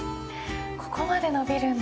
ここまで伸びるんだ。